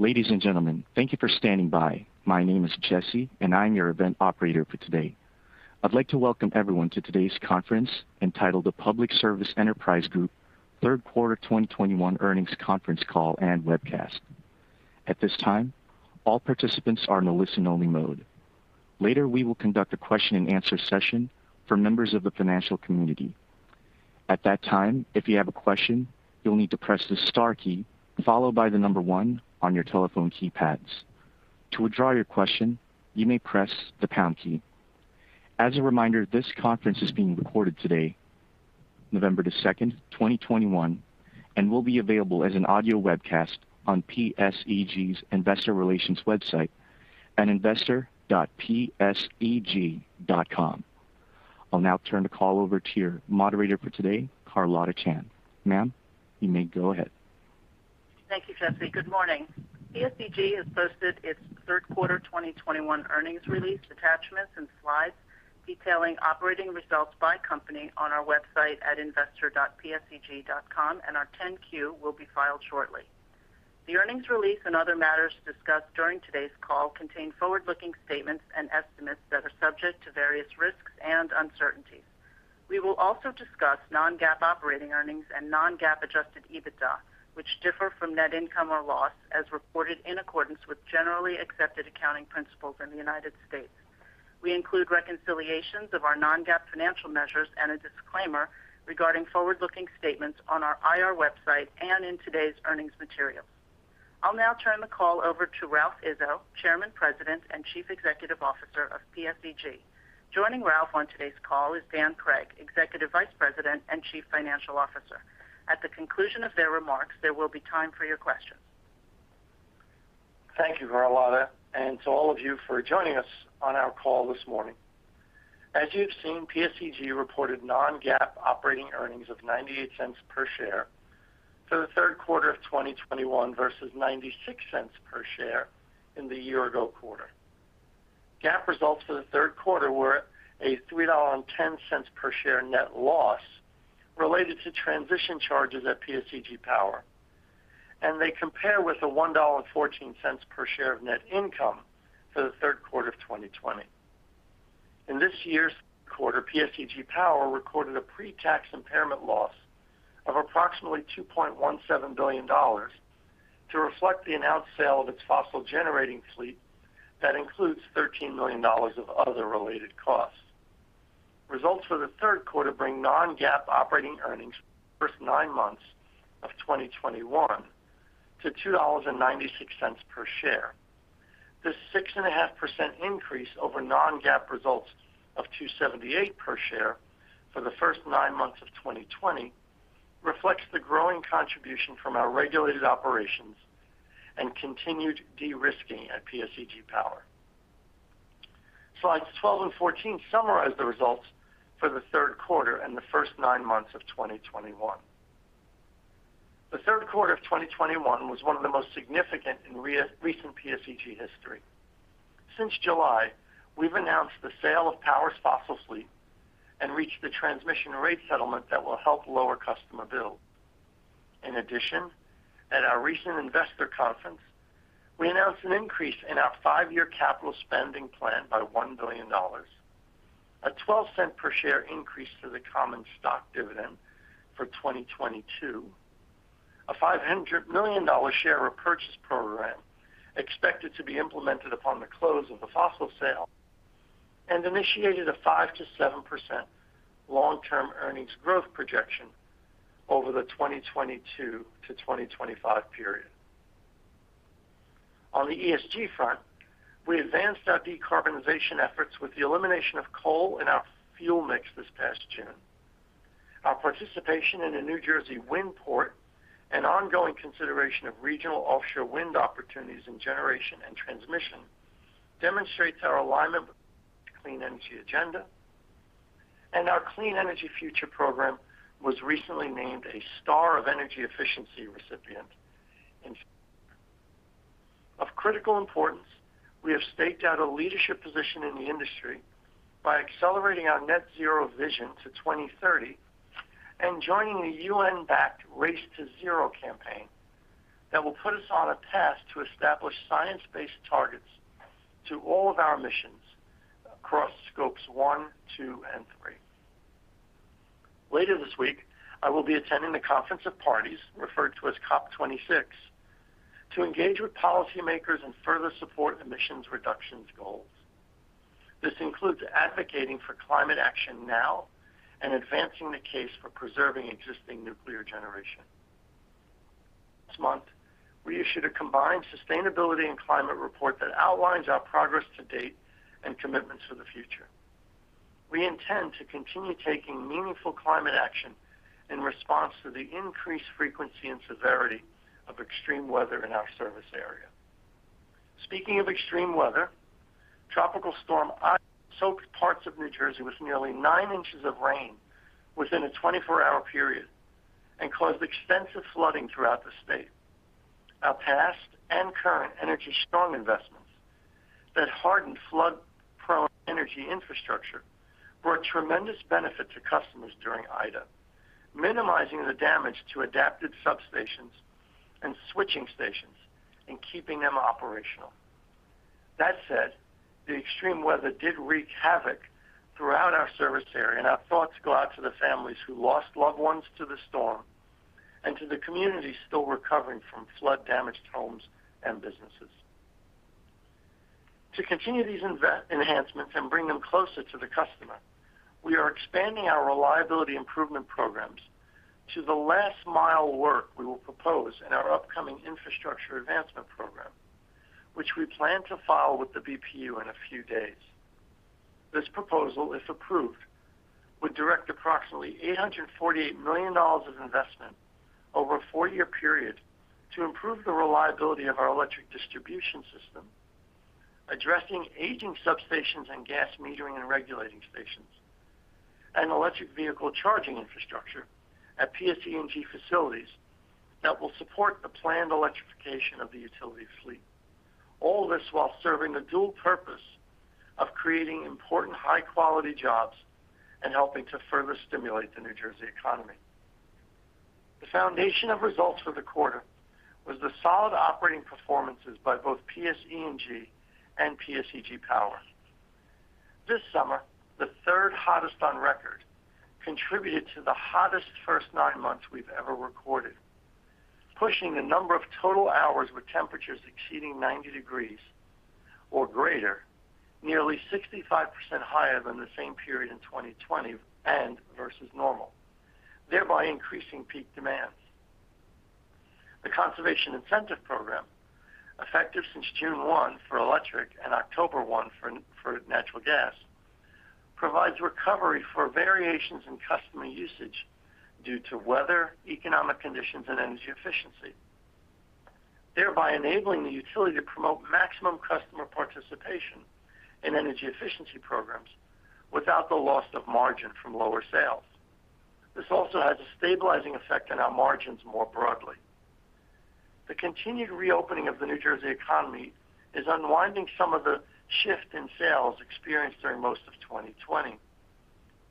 Ladies and gentlemen, thank you for standing by. My name is Jesse, and I'm your event operator for today. I'd like to welcome everyone to today's conference entitled The Public Service Enterprise Group Third Quarter 2021 Earnings Conference Call and Webcast. At this time, all participants are in a listen-only mode. Later, we will conduct a question-and-answer session for members of the financial community. At that time, if you have a question, you'll need to press the star key followed by the number one on your telephone keypads. To withdraw your question, you may press the pound key. As a reminder, this conference is being recorded today, November 2nd, 2021, and will be available as an audio webcast on PSEG's Investor Relations website at investor.pseg.com. I'll now turn the call over to your moderator for today, Carlotta Chan. Ma'am, you may go ahead. Thank you, Jesse. Good morning. PSEG has posted its third quarter 2021 earnings release attachments and slides detailing operating results by company on our website at investor.pseg.com, and our 10-Q will be filed shortly. The earnings release and other matters discussed during today's call contain forward-looking statements and estimates that are subject to various risks and uncertainties. We will also discuss non-GAAP operating earnings and non-GAAP adjusted EBITDA, which differ from net income or loss as reported in accordance with generally accepted accounting principles in the United States. We include reconciliations of our non-GAAP financial measures and a disclaimer regarding forward-looking statements on our IR website and in today's earnings material. I'll now turn the call over to Ralph Izzo, Chairman, President, and Chief Executive Officer of PSEG. Joining Ralph on today's call is Daniel J. Cregg, Executive Vice President and Chief Financial Officer. At the conclusion of their remarks, there will be time for your questions. Thank you, Carlotta, and to all of you for joining us on our call this morning. As you have seen, PSEG reported non-GAAP operating earnings of $0.98 per share for the third quarter of 2021 versus $0.96 per share in the year-ago quarter. GAAP results for the third quarter were a $3.10 per share net loss related to transition charges at PSEG Power, and they compare with a $1.14 per share of net income for the third quarter of 2020. In this year's quarter, PSEG Power recorded a pre-tax impairment loss of approximately $2.17 billion to reflect the announced sale of its fossil generating fleet that includes $13 million of other related costs. Results for the third quarter bring non-GAAP operating earnings for the first nine months of 2021 to $2.96 per share. This 6.5% increase over non-GAAP results of $2.78 per share for the first nine months of 2020 reflects the growing contribution from our regulated operations and continued de-risking at PSEG Power. Slides 12 and 14 summarize the results for the third quarter and the first nine months of 2021. The third quarter of 2021 was one of the most significant in recent PSEG history. Since July, we've announced the sale of Power's fossil fleet and reached the transmission rate settlement that will help lower customer bills. In addition, at our recent investor conference, we announced an increase in our 5-year capital spending plan by $1 billion, a $0.12 per share increase to the common stock dividend for 2022, a $500 million share repurchase program expected to be implemented upon the close of the fossil sale, and initiated a 5%-7% long-term earnings growth projection over the 2022-2025 period. On the ESG front, we advanced our decarbonization efforts with the elimination of coal in our fuel mix this past June. Our participation in the New Jersey Wind Port and ongoing consideration of regional offshore wind opportunities in generation and transmission demonstrates our alignment with clean energy agenda. Our Clean Energy Future program was recently named a Star of Energy Efficiency recipient. Of critical importance, we have staked out a leadership position in the industry by accelerating our net zero vision to 2030 and joining the UN-backed Race to Zero campaign that will put us on a path to establish science-based targets to all of our emissions across scopes one, two, and three. Later this week, I will be attending the Conference of the Parties, referred to as COP26, to engage with policymakers and further support emissions reductions goals. This includes advocating for climate action now and advancing the case for preserving existing nuclear generation. This month, we issued a combined sustainability and climate report that outlines our progress to date and commitments for the future. We intend to continue taking meaningful climate action in response to the increased frequency and severity of extreme weather in our service area. Speaking of extreme weather, Tropical Storm Ida soaked parts of New Jersey with nearly 9 in of rain within a 24-hour period and caused extensive flooding throughout the state. Our past and current Energy Strong investments that hardened flood-prone energy infrastructure brought tremendous benefit to customers during Ida, minimizing the damage to adapted substations and switching stations and keeping them operational. That said, the extreme weather did wreak havoc throughout our service area, and our thoughts go out to the families who lost loved ones to the storm and to the communities still recovering from flood-damaged homes and businesses. To continue these investment enhancements and bring them closer to the customer, we are expanding our reliability improvement programs to the last mile work we will propose in our upcoming Infrastructure Advancement Program, which we plan to file with the BPU in a few days. This proposal, if approved, would direct approximately $848 million of investment over a four-year period to improve the reliability of our electric distribution system, addressing aging substations and gas metering and regulating stations, and electric vehicle charging infrastructure at PSEG facilities that will support the planned electrification of the utility fleet. All this while serving the dual purpose of creating important high-quality jobs and helping to further stimulate the New Jersey economy. The foundation of results for the quarter was the solid operating performances by both PSEG and PSEG Power. This summer, the third hottest on record, contributed to the hottest first nine months we've ever recorded, pushing the number of total hours with temperatures exceeding 90 degrees or greater, nearly 65% higher than the same period in 2020 and versus normal, thereby increasing peak demands. The Conservation Incentive Program, effective since June 1 for electric and October 1 for natural gas, provides recovery for variations in customer usage due to weather, economic conditions, and energy efficiency, thereby enabling the utility to promote maximum customer participation in energy efficiency programs without the loss of margin from lower sales. This also has a stabilizing effect on our margins more broadly. The continued reopening of the New Jersey economy is unwinding some of the shift in sales experienced during most of 2020.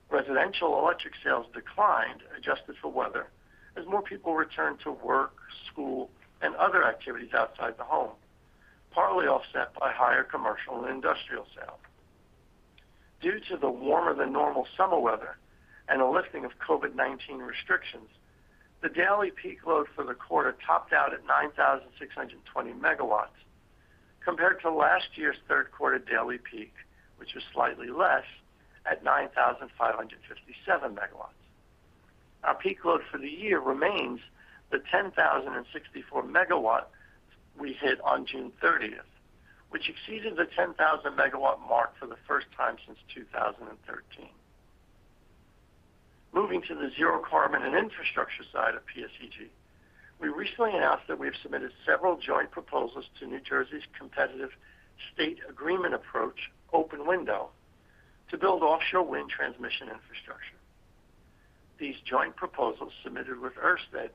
Residential electric sales declined, adjusted for weather, as more people returned to work, school, and other activities outside the home, partly offset by higher commercial and industrial sales. Due to the warmer than normal summer weather and a lifting of COVID-19 restrictions, the daily peak load for the quarter topped out at 9,620 MW compared to last year's third quarter daily peak, which was slightly less at 9,557 MW. Our peak load for the year remains the 10,064 MW we hit on June 30th, which exceeded the 10,000 MW mark for the first time since 2013. Moving to the zero carbon and infrastructure side of PSEG, we recently announced that we have submitted several joint proposals to New Jersey's competitive State Agreement Approach, Open Window, to build offshore wind transmission infrastructure. These joint proposals submitted with Ørsted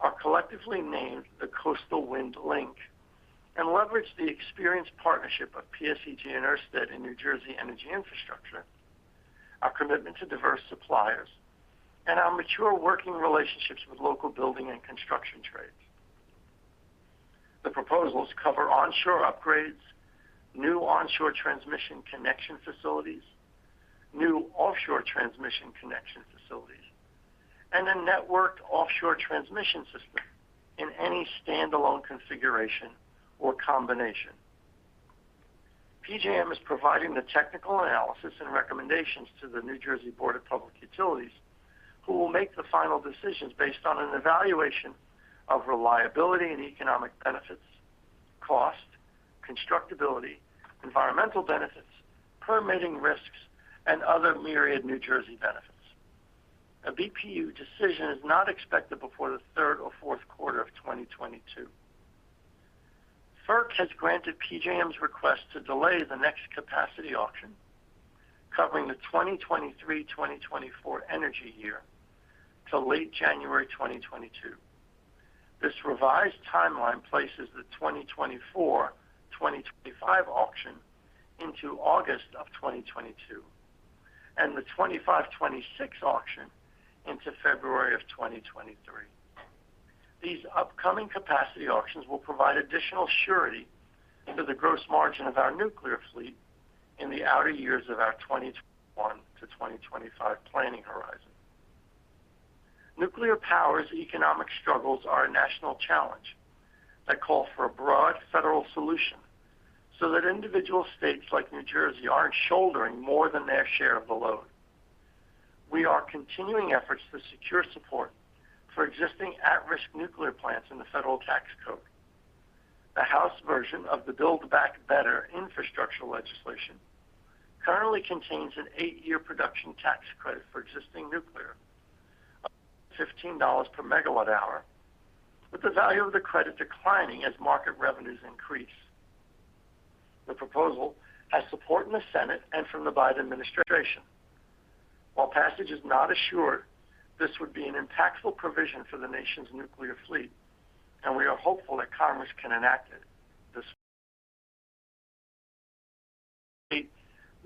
are collectively named the Coastal Wind Link and leverage the experienced partnership of PSEG and Ørsted in New Jersey energy infrastructure, our commitment to diverse suppliers, and our mature working relationships with local building and construction trades. The proposals cover onshore upgrades, new onshore transmission connection facilities, new offshore transmission connection facilities, and a networked offshore transmission system in any standalone configuration or combination. PJM is providing the technical analysis and recommendations to the New Jersey Board of Public Utilities, who will make the final decisions based on an evaluation of reliability and economic benefits, cost, constructability, environmental benefits, permitting risks, and other myriad New Jersey benefits. A BPU decision is not expected before the third or fourth quarter of 2022. FERC has granted PJM's request to delay the next capacity auction covering the 2023/2024 energy year to late January 2022. This revised timeline places the 2024/2025 auction into August 2022, and the 2025/2026 auction into February 2023. These upcoming capacity auctions will provide additional surety into the gross margin of our nuclear fleet in the outer years of our 2021 to 2025 planning horizon. Nuclear power's economic struggles are a national challenge that call for a broad federal solution so that individual states like New Jersey aren't shouldering more than their share of the load. We are continuing efforts to secure support for existing at-risk nuclear plants in the federal tax code. The House version of the Build Back Better infrastructure legislation currently contains an 8-year production tax credit for existing nuclear of $15/MWh, with the value of the credit declining as market revenues increase. The proposal has support in the Senate and from the Biden administration. While passage is not assured, this would be an impactful provision for the nation's nuclear fleet, and we are hopeful that Congress can enact it this year.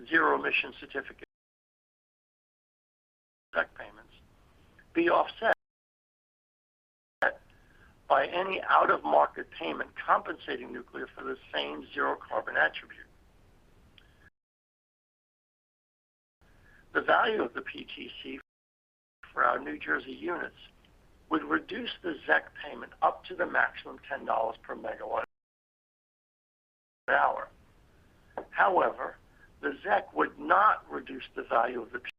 Zero-emission certificate ZEC payments be offset by any out-of-market payment compensating nuclear for the same zero-carbon attribute. The value of the PTC for our New Jersey units would reduce the ZEC payment up to the maximum $10/MWh. However, the ZEC would not reduce the value of the PTC.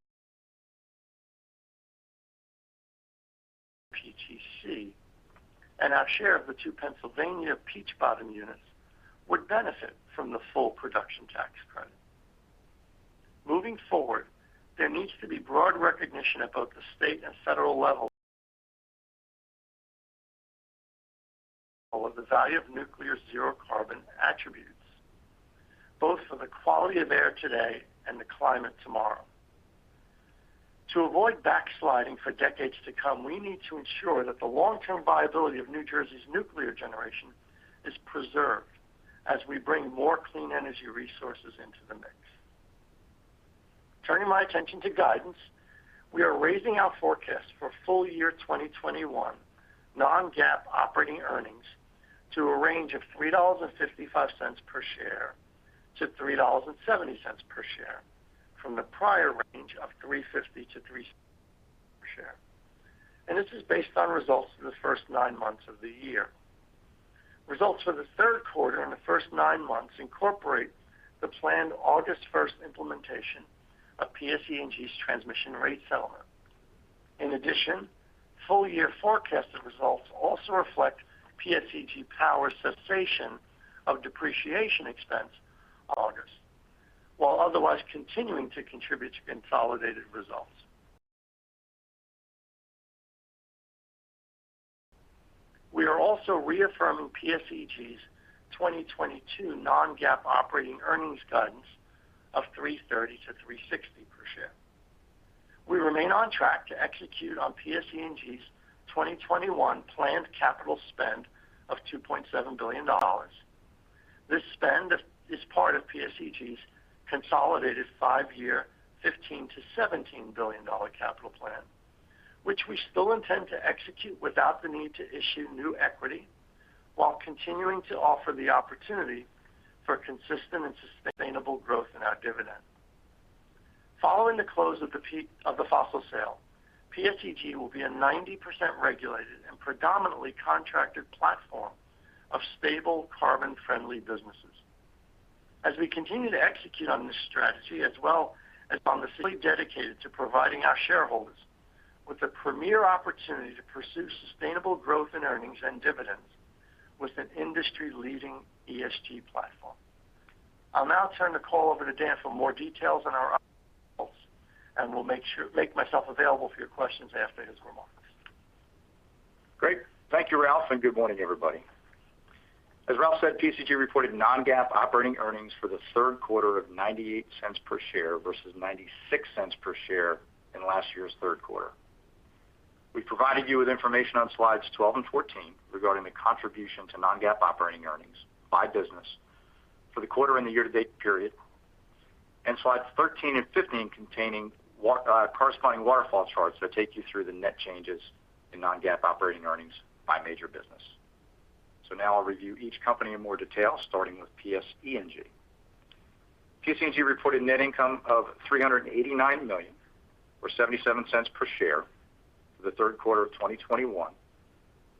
Our share of the two Pennsylvania Peach Bottom units would benefit from the full production tax credit. Moving forward, there needs to be broad recognition at both the state and federal level of the value of nuclear zero carbon attributes, both for the quality of air today and the climate tomorrow. To avoid backsliding for decades to come, we need to ensure that the long-term viability of New Jersey's nuclear generation is preserved as we bring more clean energy resources into the mix. Turning my attention to guidance, we are raising our forecast for full year 2021 non-GAAP operating earnings to a range of $3.55 per share-$3.70 per share from the prior range of $3.50-$3.70 per share. This is based on results for the first nine months of the year. Results for the third quarter and the first nine months incorporate the planned August 1 implementation of PSEG's transmission rate settlement. In addition, full-year forecasted results also reflect PSEG Power's cessation of depreciation expense in August, while otherwise continuing to contribute to consolidated results. We are also reaffirming PSEG's 2022 non-GAAP operating earnings guidance of $3.30-$3.60 per share. We remain on track to execute on PSEG's 2021 planned capital spend of $2.7 billion. This spend is part of PSEG's consolidated five-year $15 billion-$17 billion capital plan, which we still intend to execute without the need to issue new equity while continuing to offer the opportunity for consistent and sustainable growth in our dividend. Following the close of the fossil sale, PSEG will be a 90% regulated and predominantly contracted platform of stable carbon-friendly businesses. As we continue to execute on this strategy, as well as our honest dedication to providing our shareholders with the premier opportunity to pursue sustainable growth in earnings and dividends with an industry-leading ESG platform. I'll now turn the call over to Dan for more details on our results, and will make myself available for your questions after his remarks. Great. Thank you, Ralph, and good morning, everybody. As Ralph said, PSEG reported non-GAAP operating earnings for the third quarter of $0.98 per share versus $0.96 per share in last year's third quarter. We provided you with information on slides 12 and 14 regarding the contribution to non-GAAP operating earnings by business for the quarter and the year-to-date period. Slides 13 and 15 containing corresponding waterfall charts that take you through the net changes in non-GAAP operating earnings by major business. Now I'll review each company in more detail, starting with PSEG. PSEG reported net income of $389 million or $0.77 per share for the third quarter of 2021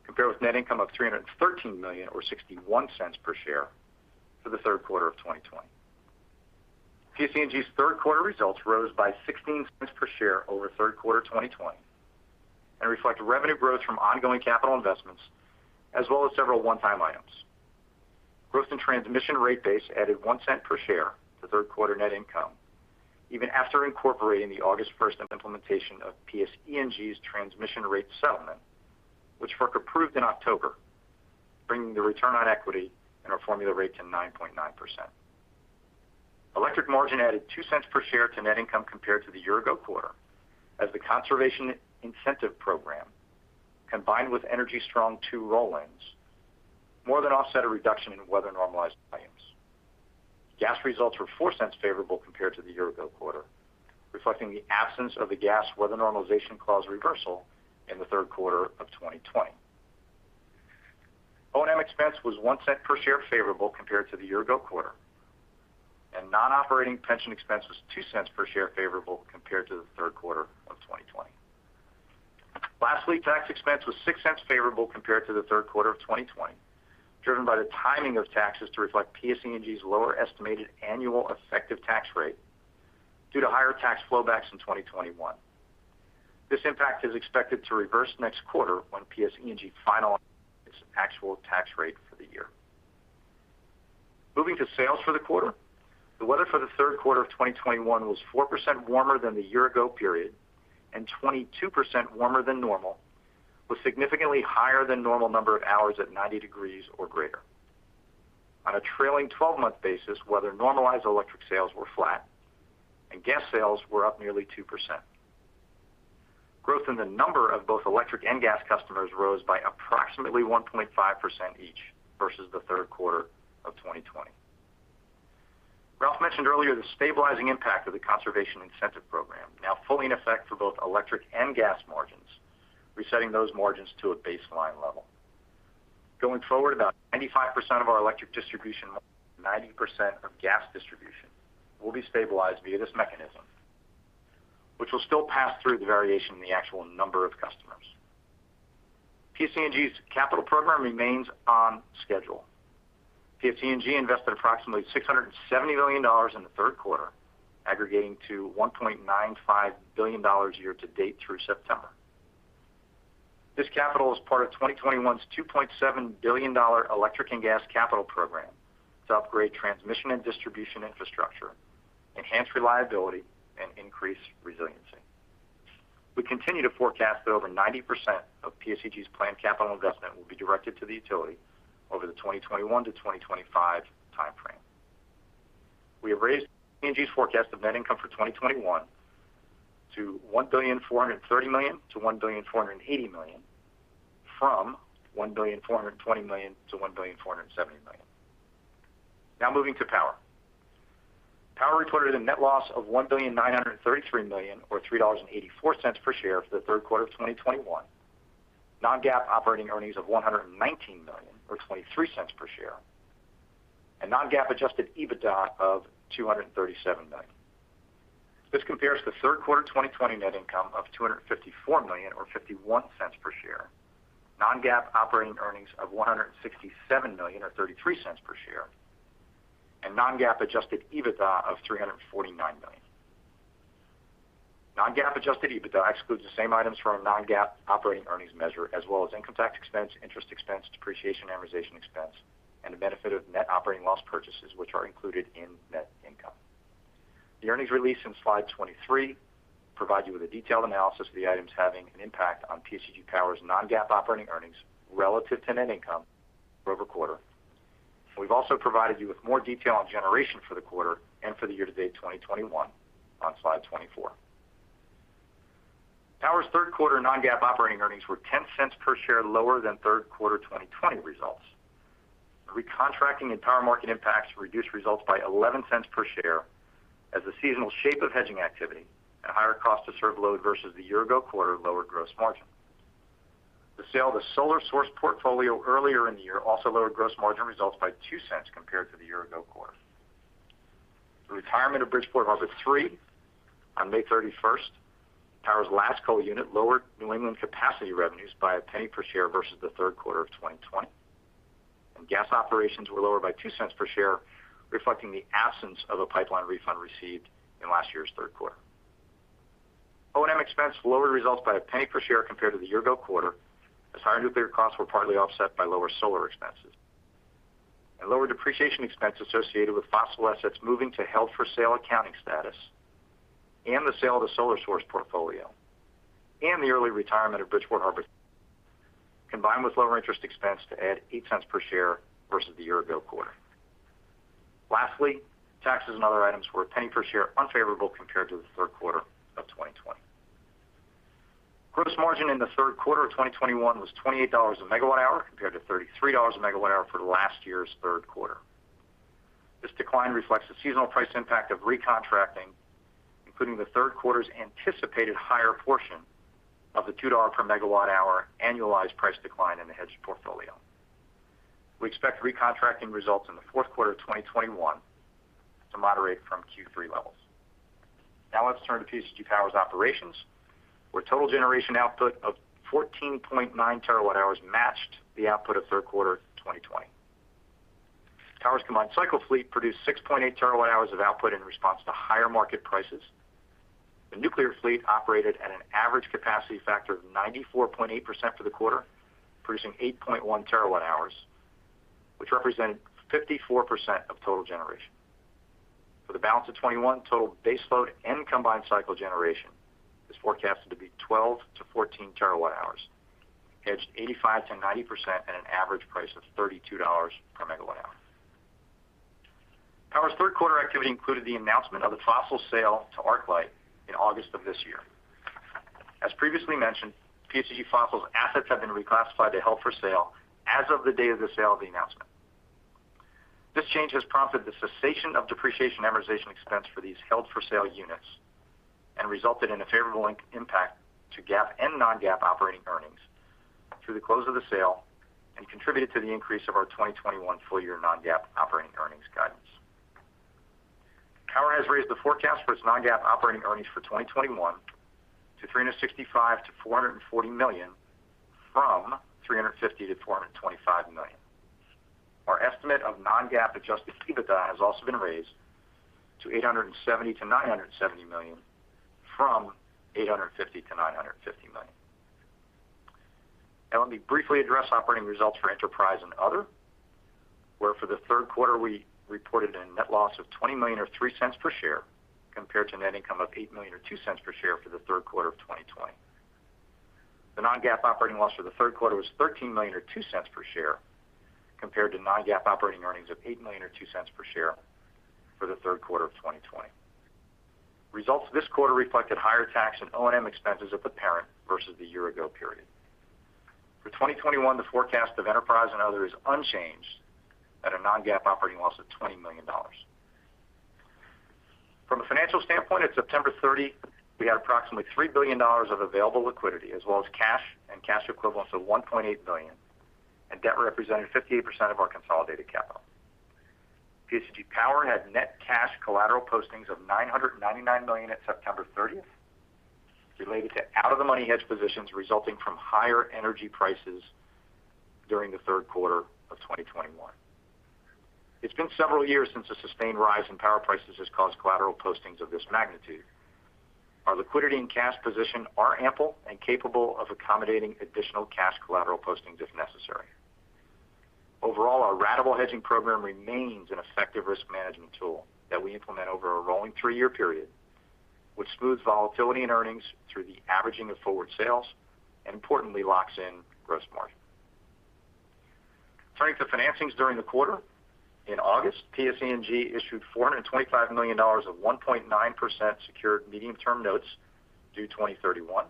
compared with net income of $313 million or $0.61 per share for the third quarter of 2020. PSEG's third quarter results rose by $0.16 per share over third quarter 2020 and reflect revenue growth from ongoing capital investments as well as several one-time items. Growth in transmission rate base added $0.01 per share to third quarter net income even after incorporating the August 1st implementation of PSEG's transmission rate settlement, which FERC approved in October, bringing the return on equity in our formula rate to 9.9%. Electric margin added $0.02 per share to net income compared to the year-ago quarter as the Conservation Incentive Program, combined with Energy Strong II roll-ins, more than offset a reduction in weather-normalized volumes. Gas results were $0.04 favorable compared to the year-ago quarter, reflecting the absence of the gas weather normalization clause reversal in the third quarter of 2020. O&M expense was $0.01 per share favorable compared to the year-ago quarter, and non-operating pension expense was $0.02 per share favorable compared to the third quarter of 2020. Lastly, tax expense was $0.06 favorable compared to the third quarter of 2020, driven by the timing of taxes to reflect PSEG's lower estimated annual effective tax rate due to higher tax flowbacks in 2021. This impact is expected to reverse next quarter when PSEG finalizes its actual tax rate for the year. Moving to sales for the quarter. The weather for the third quarter of 2021 was 4% warmer than the year-ago period and 22% warmer than normal, with significantly higher than normal number of hours at 90 degrees or greater. On a trailing 12-month basis, weather normalized electric sales were flat and gas sales were up nearly 2%. Growth in the number of both electric and gas customers rose by approximately 1.5% each versus the third quarter of 2020. Ralph mentioned earlier the stabilizing impact of the Conservation Incentive Program, now fully in effect for both electric and gas margins, resetting those margins to a baseline level. Going forward, about 95% of our electric distribution, 90% of gas distribution will be stabilized via this mechanism, which will still pass through the variation in the actual number of customers. PSEG's capital program remains on schedule. PSEG invested approximately $670 million in the third quarter, aggregating to $1.95 billion year to date through September. This capital is part of 2021's $2.7 billion electric and gas capital program to upgrade transmission and distribution infrastructure, enhance reliability and increase resiliency. We continue to forecast that over 90% of PSEG's planned capital investment will be directed to the utility over the 2021-2025 time frame. We have raised PSEG's forecast of net income for 2021 to $1.43 billion-$1.48 billion from $1.42 billion-$1.47 billion. Now moving to Power. Power reported a net loss of $1.933 billion or $3.84 per share for the third quarter of 2021. Non-GAAP operating earnings of $119 million or $0.23 per share. Non-GAAP adjusted EBITDA of $237 million. This compares to the third quarter of 2020 net income of $254 million or $0.51 per share. Non-GAAP operating earnings of $167 million, or $0.33 cents per share. Non-GAAP adjusted EBITDA of $349 million. Non-GAAP adjusted EBITDA excludes the same items from our non-GAAP operating earnings measure as well as income tax expense, interest expense, depreciation, amortization expense, and the benefit of net operating loss purchases which are included in net income. The earnings released in slide 23 provide you with a detailed analysis of the items having an impact on PSEG Power's non-GAAP operating earnings relative to net income for every quarter. We've also provided you with more detail on generation for the quarter and for the year-to-date 2021 on slide 24. Power's third quarter non-GAAP operating earnings were $0.10 cents per share lower than third quarter 2020 results. Recontracting and power market impacts reduced results by $0.11 per share as the seasonal shape of hedging activity at a higher cost to serve load versus the year-ago quarter lowered gross margin. The sale of the Solar Source portfolio earlier in the year also lowered gross margin results by $0.02 compared to the year-ago quarter. The retirement of Bridgeport Harbor three on May 31st, Power's last coal unit, lowered New England capacity revenues by $0.01 per share versus the third quarter of 2020. Gas operations were lower by $0.02 per share, reflecting the absence of a pipeline refund received in last year's third quarter. O&M expense lowered results by $0.01 per share compared to the year-ago quarter, as higher nuclear costs were partly offset by lower solar expenses. Lower depreciation expense associated with fossil assets moving to held for sale accounting status and the sale of the Solar Source portfolio and the early retirement of Bridgeport Harbor, combined with lower interest expense to add $0.08 per share versus the year ago quarter. Lastly, taxes and other items were $0.01 per share unfavorable compared to the third quarter of 2020. Gross margin in the third quarter of 2021 was $28/MWh, compared to $33/MWh for last year's third quarter. This decline reflects the seasonal price impact of recontracting, including the third quarter's anticipated higher portion of the $2/MWh annualized price decline in the hedged portfolio. We expect recontracting results in the fourth quarter of 2021 to moderate from Q3 levels. Now let's turn to PSEG Power's operations, where total generation output of 14.9 TWh matched the output of third quarter 2020. Power's combined cycle fleet produced 6.8 TWh of output in response to higher market prices. The nuclear fleet operated at an average capacity factor of 94.8% for the quarter, producing 8.1 TWh, which represented 54% of total generation. For the balance of 2021, total baseload and combined cycle generation is forecasted to be 12-14 TWh, hedged 85%-90% at an average price of $32 per MWh. Power's third quarter activity included the announcement of the fossil sale to ArcLight in August of this year. As previously mentioned, PSEG Fossil's assets have been reclassified to held for sale as of the date of the announcement. This change has prompted the cessation of depreciation amortization expense for these held for sale units and resulted in a favorable impact to GAAP and non-GAAP operating earnings through the close of the sale and contributed to the increase of our 2021 full-year non-GAAP operating earnings guidance. Power has raised the forecast for its non-GAAP operating earnings for 2021 to $365 million-$440 million from $350 million-$425 million. Our estimate of non-GAAP adjusted EBITDA has also been raised to $870 million-$970 million from $850 million-$950 million. Now let me briefly address operating results for Enterprise and Other, where for the third quarter we reported a net loss of $20 million or $0.03 cents per share, compared to net income of $8 million or $0.02 cents per share for the third quarter of 2020. The non-GAAP operating loss for the third quarter was $13 million or $0.02 cents per share compared to non-GAAP operating earnings of $8 million or $0.02 cents per share for the third quarter of 2020. Results this quarter reflected higher tax and O&M expenses of the parent versus the year ago period. For 2021, the forecast of Enterprise and Other is unchanged at a non-GAAP operating loss of $20 million. From a financial standpoint, at September 30, we had approximately $3 billion of available liquidity as well as cash and cash equivalents of $1.8 billion, and debt representing 58% of our consolidated capital. PSEG Power had net cash collateral postings of $999 million at September 30th related to out of the money hedge positions resulting from higher energy prices during the third quarter of 2021. It's been several years since a sustained rise in power prices has caused collateral postings of this magnitude. Our liquidity and cash position are ample and capable of accommodating additional cash collateral postings if necessary. Overall, our ratable hedging program remains an effective risk management tool that we implement over a rolling three-year period, which smooths volatility and earnings through the averaging of forward sales and importantly locks in gross margin. Turning to financings during the quarter. In August, PSE&G issued $425 million of 1.9% secured medium-term notes due 2031.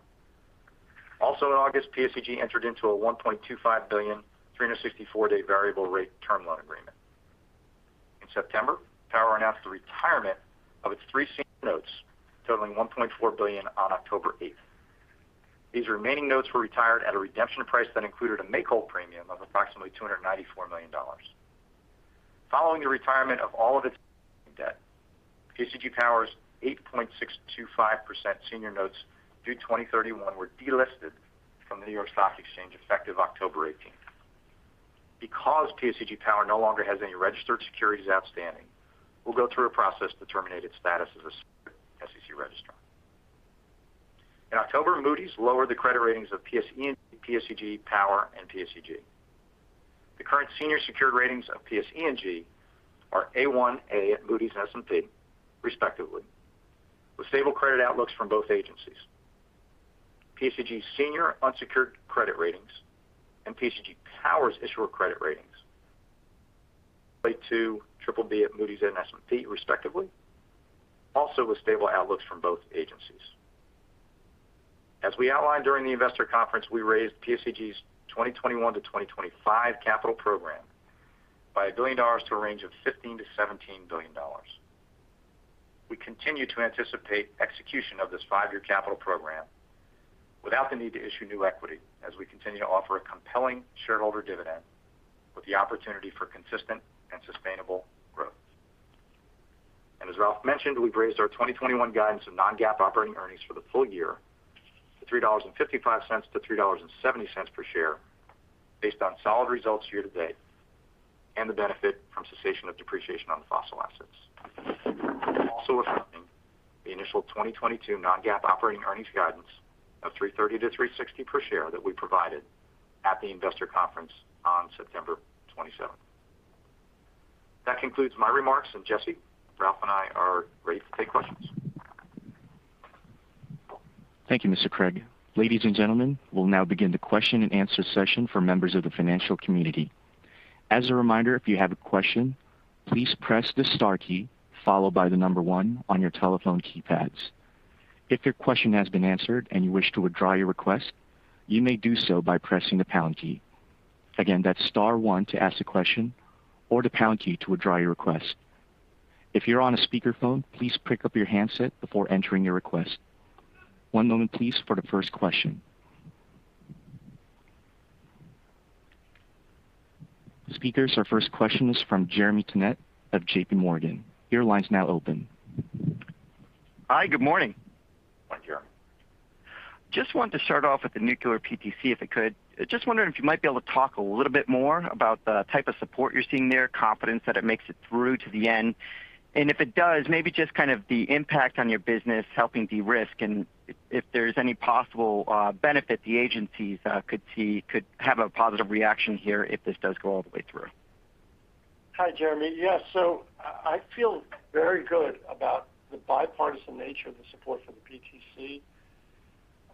Also in August, PSEG entered into a $1.25 billion, 364-day variable rate term loan agreement. In September, PSEG Power announced the retirement of its three senior notes totaling $1.4 billion on October 8th. These remaining notes were retired at a redemption price that included a make-whole premium of approximately $294 million. Following the retirement of all of its debt, PSEG Power's 8.625% senior notes due 2031 were delisted from the New York Stock Exchange effective October 18th. Because PSEG Power no longer has any registered securities outstanding, we'll go through a process to terminate its status as a SEC registrant. In October, Moody's lowered the credit ratings of PSE&G, PSEG Power and PSEG. The current senior secured ratings of PSE&G are A1/A at Moody's S&P respectively, with stable credit outlooks from both agencies. PSEG's senior unsecured credit ratings and PSEG Power's issuer credit ratings, Ba2/BBB at Moody's and S&P respectively, also with stable outlooks from both agencies. As we outlined during the investor conference, we raised PSEG's 2021 to 2025 capital program by $1 billion to a range of $15 billion-$17 billion. We continue to anticipate execution of this five-year capital program without the need to issue new equity as we continue to offer a compelling shareholder dividend with the opportunity for consistent and sustainable growth. As Ralph mentioned, we've raised our 2021 guidance of non-GAAP operating earnings for the full year to $3.55-$3.70 per share based on solid results year to date and the benefit from cessation of depreciation on fossil assets. We're also expecting the initial 2022 non-GAAP operating earnings guidance of $3.30-$3.60 per share that we provided at the investor conference on September 27th. That concludes my remarks, and Jesse, Ralph and I are ready to take questions. Thank you, Mr. Cregg. Ladies and gentlemen, we'll now begin the question and answer session for members of the financial community. As a reminder, if you have a question, please press the star key followed by the number one on your telephone keypads. If your question has been answered and you wish to withdraw your request, you may do so by pressing the pound key. Again, that's star one to ask a question or the pound key to withdraw your request. If you're on a speakerphone, please pick up your handset before entering your request. One moment please for the first question. Speakers, our first question is from Jeremy Tonet of J.P. Morgan. Your line's now open. Hi, good morning. Morning, Jeremy. Just wanted to start off with the nuclear PTC, if I could. Just wondering if you might be able to talk a little bit more about the type of support you're seeing there, confidence that it makes it through to the end. If it does, maybe just kind of the impact on your business helping de-risk and if there's any possible benefit the agencies could have a positive reaction here if this does go all the way through. Hi, Jeremy. Yes. I feel very good about the bipartisan nature of the support for the PTC.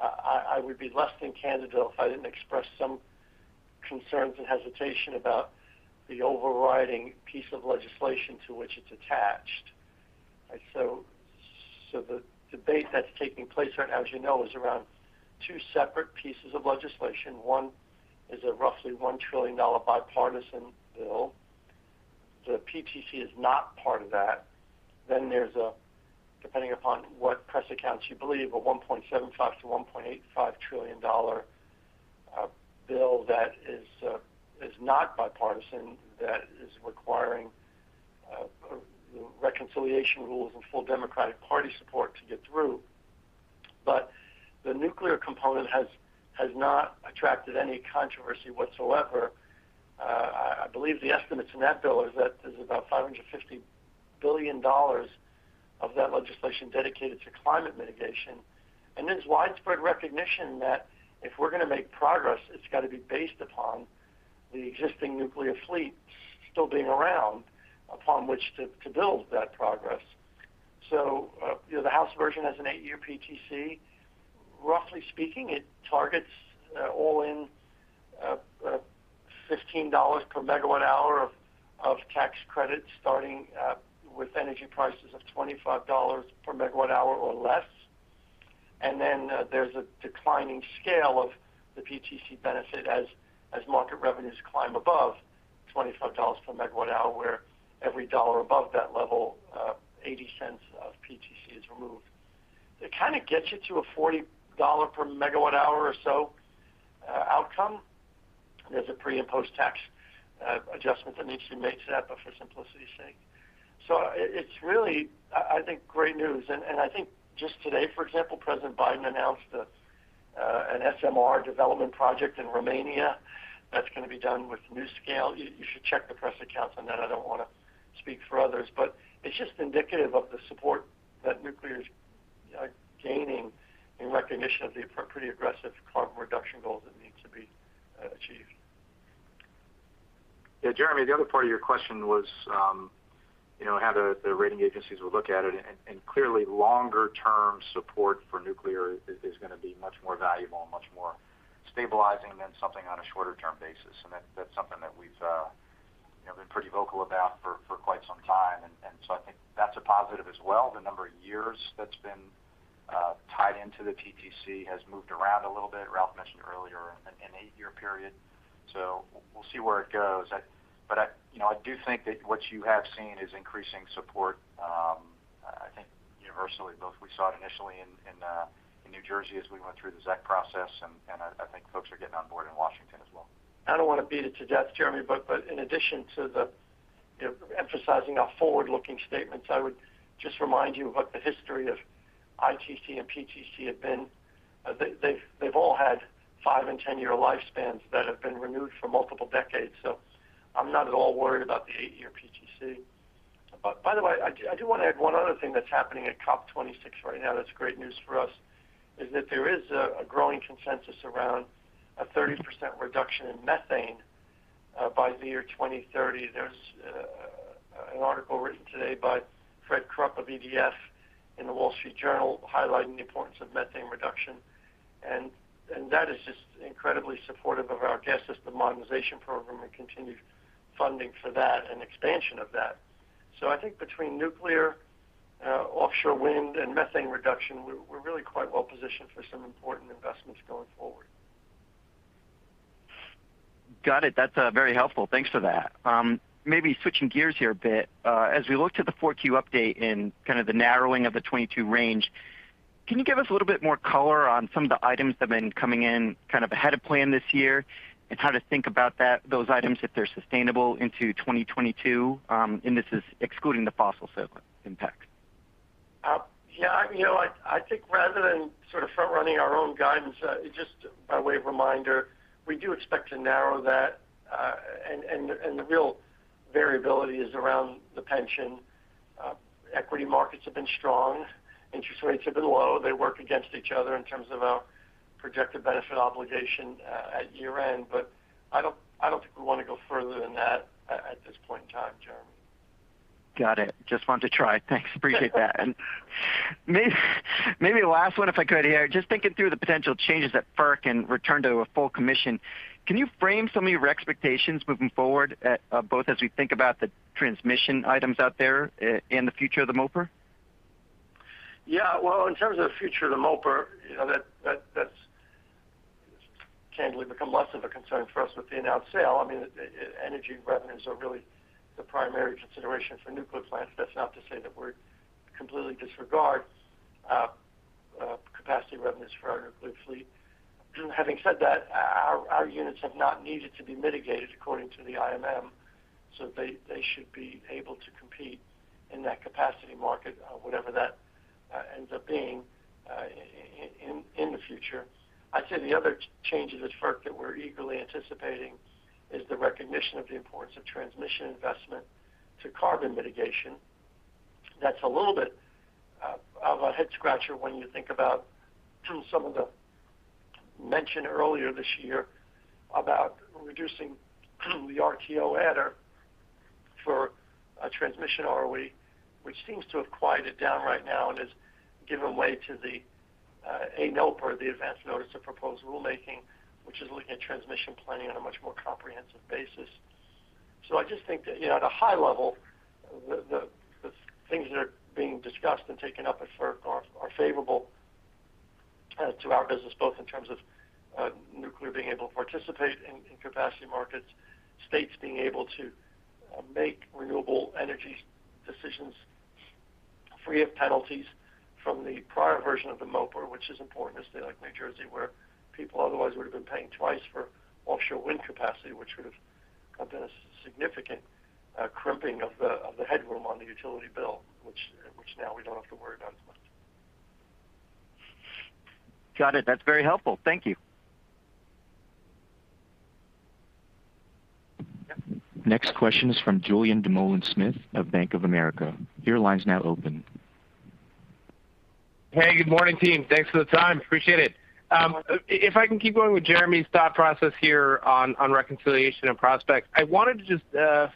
I would be less than candid though if I didn't express some concerns and hesitation about the overriding piece of legislation to which it's attached. The debate that's taking place right now, as you know, is around two separate pieces of legislation. One is a roughly $1 trillion bipartisan bill. The PTC is not part of that. There's a, depending upon what press accounts you believe, $1.75-$1.85 trillion bill that is not bipartisan, that is requiring, you know, reconciliation rules and full Democratic Party support to get through. The nuclear component has not attracted any controversy whatsoever. I believe the estimates in that bill is that there's about $550 billion of that legislation dedicated to climate mitigation. There's widespread recognition that if we're gonna make progress, it's got to be based upon the existing nuclear fleet still being around upon which to build that progress. You know, the House version has an eight-year PTC. Roughly speaking, it targets all-in $15/MWh of tax credits, starting with energy prices of $25/MWh or less. There's a declining scale of the PTC benefit as market revenues climb above $25/MWh, where every dollar above that level, $0.80 cents of PTC is removed. It kinda gets you to a $40/MWh or so outcome. There's a pre- and post-tax adjustment that needs to be made to that, but for simplicity's sake. It's really, I think, great news. I think just today, for example, President Biden announced an SMR development project in Romania that's gonna be done with NuScale. You should check the press accounts on that. I don't wanna speak for others. It's just indicative of the support that nuclear's gaining in recognition of the pretty aggressive carbon reduction goals that need to be achieved. Yeah, Jeremy, the other part of your question was, you know, how the rating agencies would look at it. Clearly, longer term support for nuclear is gonna be much more valuable and much more stabilizing than something on a shorter term basis. That's something that we've, you know, been pretty vocal about for quite some time. I think that's a positive as well. The number of years that's been tied into the PTC has moved around a little bit. Ralph mentioned earlier an eight-year period. We'll see where it goes. I, you know, I do think that what you have seen is increasing support. I think universally, both we saw it initially in New Jersey as we went through the ZEC process, and I think folks are getting on board in Washington as well. I don't wanna beat it to death, Jeremy. In addition to the, you know, emphasizing our forward-looking statements, I would just remind you of what the history of ITC and PTC have been. They've all had five and 10-year lifespans that have been renewed for multiple decades. I'm not at all worried about the eight-year PTC. By the way, I do wanna add one other thing that's happening at COP26 right now that's great news for us, is that there is a growing consensus around a 30% reduction in methane by the year 2030. There's an article written today by Fred Krupp of EDF in The Wall Street Journal highlighting the importance of methane reduction. That is just incredibly supportive of our gas system modernization program and continued funding for that and expansion of that. I think between nuclear, offshore wind, and methane reduction, we're really quite well-positioned for some important investments going forward. Got it. That's very helpful. Thanks for that. Maybe switching gears here a bit. As we look to the 4Q update and kind of the narrowing of the 2022 range, can you give us a little bit more color on some of the items that have been coming in kind of ahead of plan this year, and how to think about that, those items if they're sustainable into 2022? This is excluding the fossil fuel impact. Yeah, you know, I think rather than sort of front running our own guidance, just by way of reminder, we do expect to narrow that. The real variability is around the pension. Equity markets have been strong. Interest rates have been low. They work against each other in terms of our projected benefit obligation at year-end. I don't think we wanna go further than that at this point in time, Jeremy. Got it. Just wanted to try. Thanks. Appreciate that. Maybe last one if I could here. Just thinking through the potential changes at FERC and return to a full commission, can you frame some of your expectations moving forward at both as we think about the transmission items out there, and the future of the MOPR? Yeah. Well, in terms of the future of the MOPR, you know, that's candidly become less of a concern for us with the announced sale. I mean, the energy revenues are really the primary consideration for nuclear plants. That's not to say that we're completely disregarding capacity revenues for our nuclear fleet. Having said that, our units have not needed to be mitigated according to the IMM, so they should be able to compete in that capacity market, whatever that ends up being in the future. I'd say the other changes at FERC that we're eagerly anticipating is the recognition of the importance of transmission investment to carbon mitigation. That's a little bit of a head scratcher when you think about some of the mention earlier this year about reducing the RTO adder for a transmission ROE, which seems to have quieted down right now and has given way to the ANOPR or the Advance Notice of Proposed Rulemaking, which is looking at transmission planning on a much more comprehensive basis. I just think that, you know, at a high level, the things that are being discussed and taken up at FERC are favorable to our business, both in terms of nuclear being able to participate in capacity markets, states being able to make renewable energy decisions free of penalties from the prior version of the MOPR, which is important in a state like New Jersey, where people otherwise would've been paying twice for offshore wind capacity, which would've been a significant crimping of the headroom on the utility bill, which now we don't have to worry about as much. Got it. That's very helpful. Thank you. Next question is from Julien Dumoulin-Smith of Bank of America. Your line's now open. Hey, good morning, team. Thanks for the time. Appreciate it. If I can keep going with Jeremy's thought process here on reconciliation and prospects, I wanted to just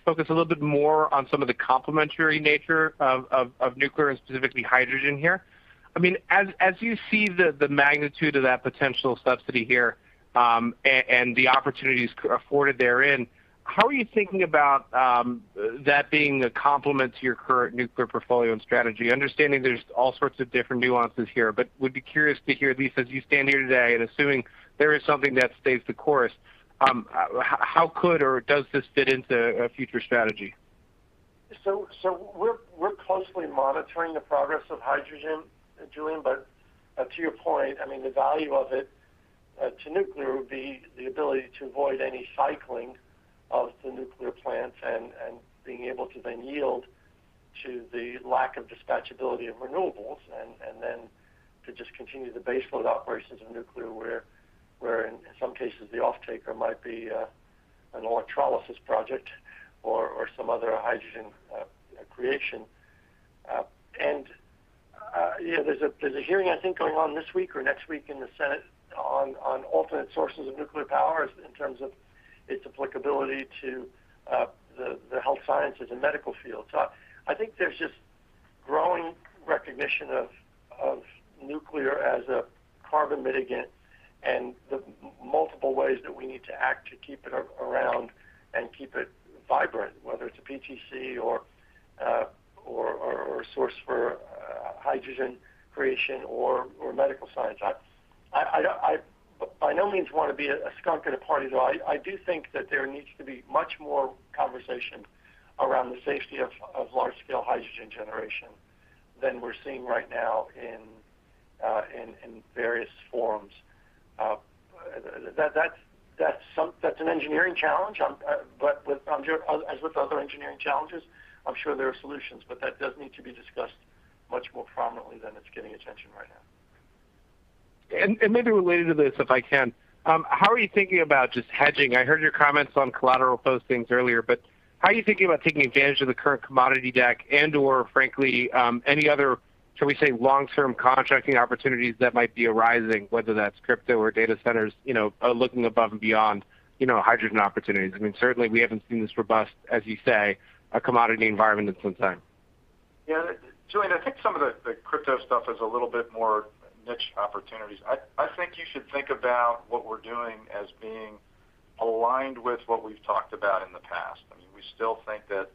focus a little bit more on some of the complementary nature of nuclear and specifically hydrogen here. I mean, as you see the magnitude of that potential subsidy here, and the opportunities afforded therein, how are you thinking about that being a complement to your current nuclear portfolio and strategy? Understanding there's all sorts of different nuances here, but would be curious to hear at least as you stand here today, and assuming there is something that stays the course, how could or does this fit into a future strategy? We're closely monitoring the progress of hydrogen, Julien, but to your point, I mean, the value of it to nuclear would be the ability to avoid any cycling of the nuclear plants and being able to then yield to the lack of dispatchability of renewables and then to just continue the baseload operations of nuclear, where in some cases the offtaker might be an electrolysis project or some other hydrogen creation. You know, there's a hearing I think going on this week or next week in the Senate on alternate sources of nuclear power in terms of its applicability to the health sciences and medical field. I think there's just growing recognition of nuclear as a carbon mitigant and the multiple ways that we need to act to keep it around and keep it vibrant, whether it's a PTC or a source for hydrogen creation or medical science. I by no means want to be a skunk at a party, though I do think that there needs to be much more conversation around the safety of large-scale hydrogen generation than we're seeing right now in various forums. That's an engineering challenge, but I'm sure as with other engineering challenges, I'm sure there are solutions. That does need to be discussed much more prominently than it's getting attention right now. Maybe related to this, if I can, how are you thinking about just hedging? I heard your comments on collateral postings earlier, but how are you thinking about taking advantage of the current commodity desk and/or frankly, any other, shall we say, long-term contracting opportunities that might be arising, whether that's crypto or data centers, you know, looking above and beyond, you know, hydrogen opportunities? I mean, certainly we haven't seen this robust, as you say, commodity environment in some time. Yeah. Julien, I think some of the crypto stuff is a little bit more niche opportunities. I think you should think about what we're doing as being aligned with what we've talked about in the past. I mean, we still think that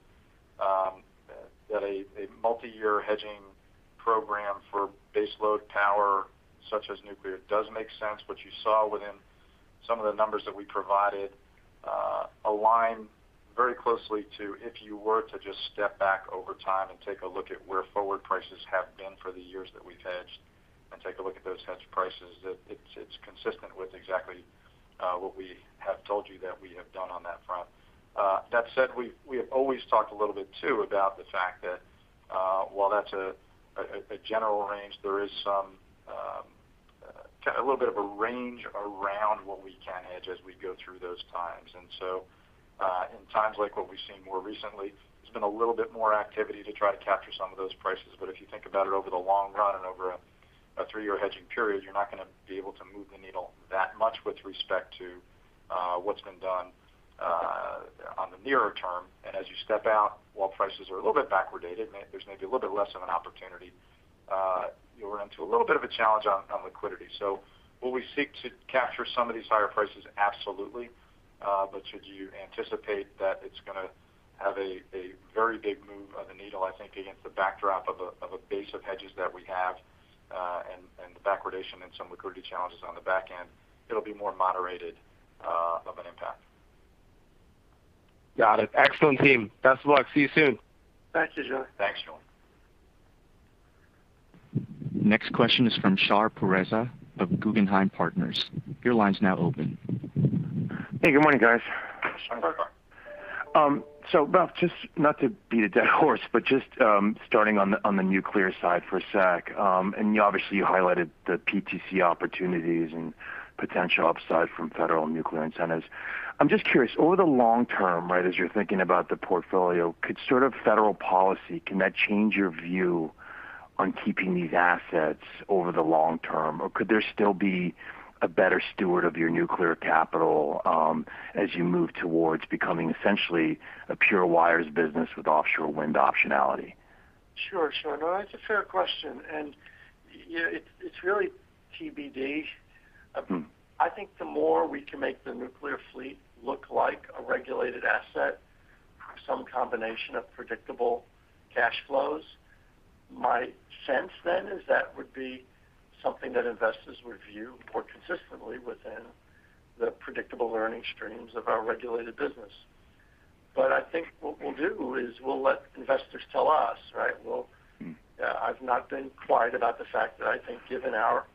a multi-year hedging program for baseload power such as nuclear does make sense. What you saw within some of the numbers that we provided align very closely to if you were to just step back over time and take a look at where forward prices have been for the years that we've hedged and take a look at those hedge prices, that it's consistent with exactly what we have told you that we have done on that front. That said, we have always talked a little bit too about the fact that while that's a general range, there is some a little bit of a range around what we can hedge as we go through those times. In times like what we've seen more recently, there's been a little bit more activity to try to capture some of those prices. If you think about it over the long run and over a three-year hedging period, you're not gonna be able to move the needle that much with respect to what's been done on the nearer term. As you step out, while prices are a little bit backwardated, there's maybe a little bit less of an opportunity, you'll run into a little bit of a challenge on liquidity. Will we seek to capture some of these higher prices? Absolutely. But should you anticipate that it's gonna have a very big move of the needle, I think against the backdrop of a base of hedges that we have, and the backwardation and some liquidity challenges on the back end, it'll be more moderated of an impact. Got it. Excellent, team. Best of luck. See you soon. Thank you, Julien. Thanks, Julien. Next question is from Shar Pourreza of Guggenheim Partners. Your line's now open. Hey, good morning, guys. Good morning. Ralph, just not to beat a dead horse, but just, starting on the nuclear side for a sec. You obviously highlighted the PTC opportunities and potential upside from federal nuclear incentives. I'm just curious, over the long term, right, as you're thinking about the portfolio, could sort of federal policy, can that change your view on keeping these assets over the long term? Or could there still be a better steward of your nuclear capital, as you move towards becoming essentially a pure wires business with offshore wind optionality? Sure. No, that's a fair question. You know, it's really TBD. Mm-hmm. I think the more we can make the nuclear fleet look like a regulated asset, some combination of predictable cash flows, my sense then is that would be something that investors would view more consistently within the predictable earning streams of our regulated business. I think what we'll do is we'll let investors tell us, right? We'll Mm-hmm. I've not been quiet about the fact that I think given our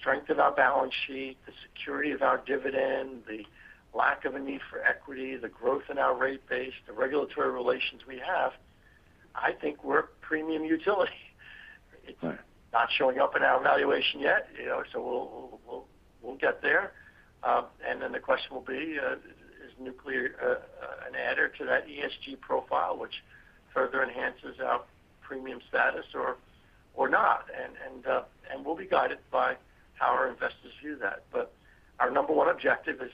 strength in our balance sheet, the security of our dividend, the lack of a need for equity, the growth in our rate base, the regulatory relations we have, I think we're a premium utility. Right. It's not showing up in our valuation yet, you know, so we'll get there. Then the question will be, is nuclear to that ESG profile, which further enhances our premium status or not. We'll be guided by how our investors view that. But our number one objective is,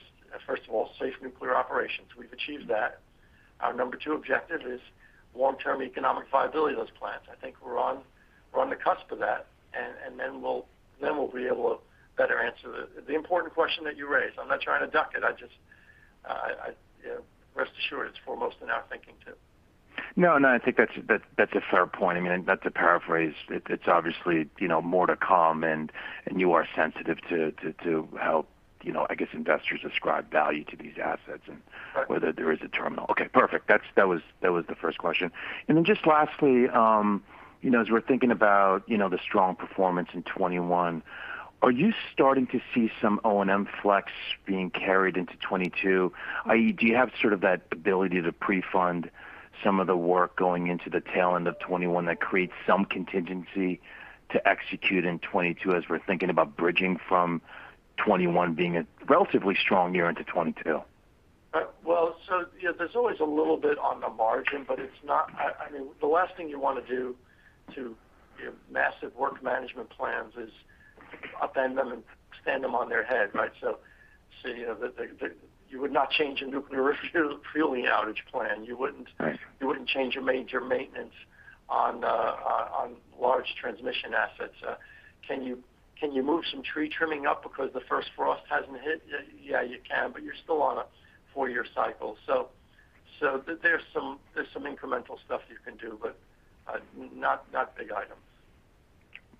first of all, safe nuclear operations. We've achieved that. Our number two objective is long-term economic viability of those plants. I think we're on the cusp of that. Then we'll be able to better answer the important question that you raised. I'm not trying to duck it. I just you know, rest assured it's foremost in our thinking too. No, no, I think that's a fair point. I mean, not to paraphrase, it's obviously, you know, more to come and you are sensitive to how, you know, I guess investors ascribe value to these assets and. Right. Whether there is a terminal. Okay, perfect. That was the first question. Just lastly, you know, as we're thinking about, you know, the strong performance in 2021, are you starting to see some O&M flex being carried into 2022? Do you have sort of that ability to pre-fund some of the work going into the tail end of 2021 that creates some contingency to execute in 2022 as we're thinking about bridging from 2021 being a relatively strong year into 2022? Well, so yeah, there's always a little bit on the margin, but it's not. I mean, the last thing you wanna do to your massive work management plans is upend them and stand them on their head, right? Say, you know, you would not change a nuclear refuel, fueling outage plan. You wouldn't. Right. You wouldn't change a major maintenance on large transmission assets. Can you move some tree trimming up because the first frost hasn't hit? Yeah, you can, but you're still on a four-year cycle. So there's some incremental stuff you can do, but not big items.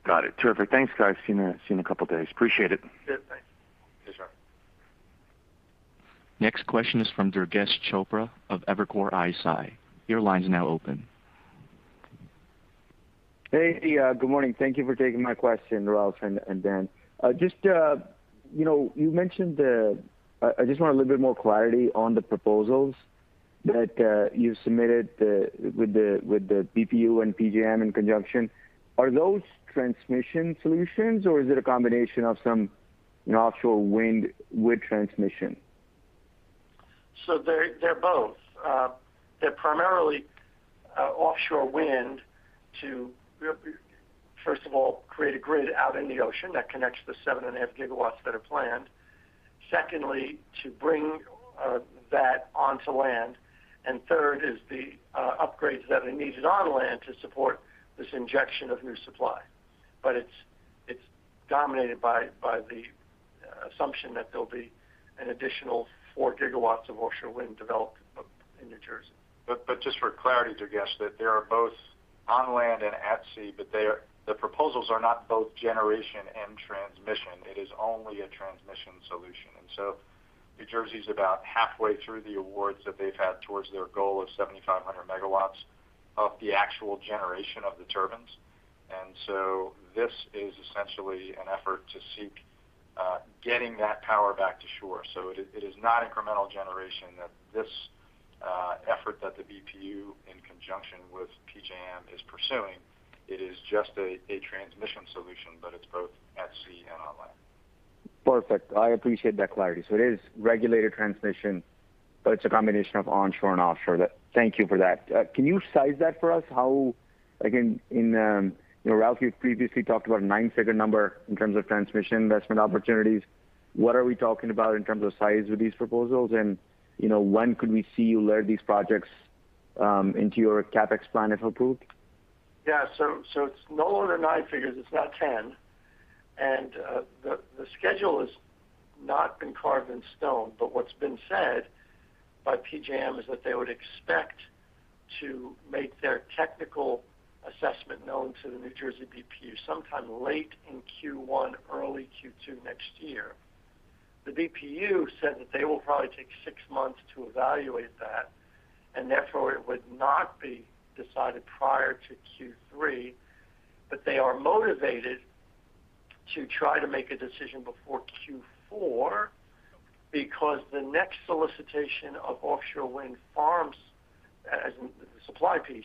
Got it. Terrific. Thanks, guys. See you in a couple days. Appreciate it. Yeah, thanks. Yes, sir. Next question is from Durgesh Chopra of Evercore ISI. Your line's now open. Hey, good morning. Thank you for taking my question, Ralph and Dan. Just, you know, I just want a little bit more clarity on the proposals that you submitted with the BPU and PJM in conjunction. Are those transmission solutions or is it a combination of some, you know, offshore wind transmission? They're both. They're primarily offshore wind to first of all create a grid out in the ocean that connects the 7.5 GW that are planned. Secondly, to bring that onto land. Third is the upgrades that are needed on land to support this injection of new supply. It's dominated by the assumption that there'll be an additional 4 GW of offshore wind developed up in New Jersey. Just for clarity, Durgesh, that they are both on land and at sea, but the proposals are not both generation and transmission. It is only a transmission solution. New Jersey's about halfway through the awards that they've had towards their goal of 7,500 MW of the actual generation of the turbines. This is essentially an effort to seek getting that power back to shore. It is not incremental generation. That this effort that the BPU in conjunction with PJM is pursuing, it is just a transmission solution, but it's both at sea and on land. Perfect. I appreciate that clarity. It is regulated transmission, but it's a combination of onshore and offshore. Thank you for that. Can you size that for us? How, again, you know, Ralph, you previously talked about a nine-figure number in terms of transmission investment opportunities. What are we talking about in terms of size with these proposals? You know, when could we see you load these projects into your CapEx plan if approved? Yeah. It's no longer nine figures, it's now ten. The schedule has not been carved in stone, but what's been said by PJM is that they would expect to make their technical assessment known to the New Jersey BPU sometime late in Q1, early Q2 next year. The BPU said that they will probably take six months to evaluate that, and therefore it would not be decided prior to Q3. They are motivated to try to make a decision before Q4 because the next solicitation of offshore wind farms as the supply piece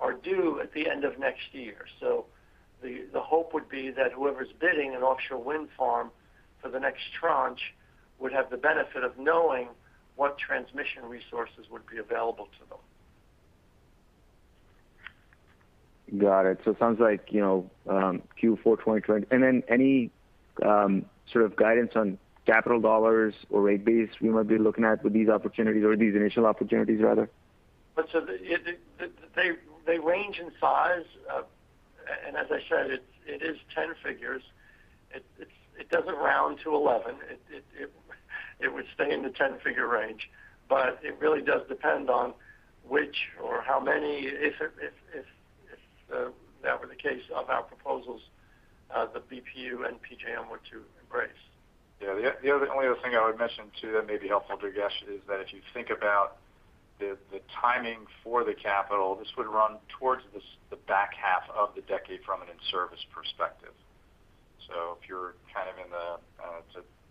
are due at the end of next year. The hope would be that whoever's bidding an offshore wind farm for the next tranche would have the benefit of knowing what transmission resources would be available to them. Got it. It sounds like, you know, Q4 2020. Any sort of guidance on capital dollars or rate base we might be looking at with these opportunities or these initial opportunities rather? They range in size. As I said, it doesn't round to eleven. It would stay in the 10-figure range. It really does depend on which or how many, if that were the case of our proposals, the BPU and PJM were to embrace. Yeah. The only other thing I would mention too that may be helpful, Durgesh, is that if you think about the timing for the capital, this would run towards the back half of the decade from an in-service perspective. So if you're kind of in the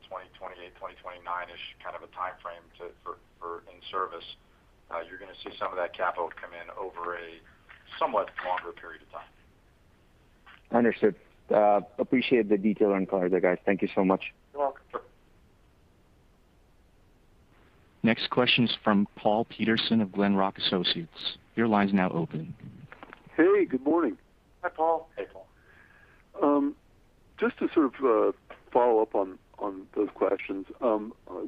2028, 2029-ish kind of a timeframe for in service, you're gonna see some of that capital come in over a somewhat longer period of time. Understood. Appreciate the detail on clarity, guys. Thank you so much. You're welcome. Next question is from Paul Patterson of Glenrock Associates. Your line is now open. Hey, good morning. Hi, Paul. Hey, Paul. Just to sort of follow up on those questions.